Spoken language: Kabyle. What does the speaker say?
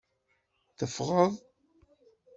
Teffɣeḍ.